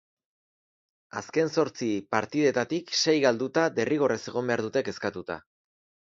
Azken zortzi partidetatik sei galduta derrigorrez egon behar dute kezkatuta.